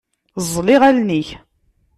Ẓẓel iɣallen-ik.